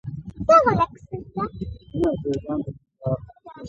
میلیونونو فرانسویانو د شرکت وجود ومانه.